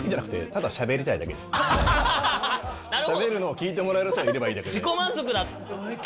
しゃべるのを聞いてもらえる人がいればいい。